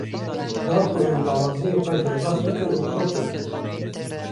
Da ku em lawaziyên xwe derbas bikin û xurt bibin.